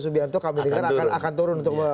subianto kami dengar akan turun untuk